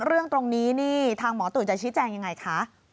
เรื่องตรงนี้นี่ทางหมอตุ๋นจะชี้แจงยังไงคะ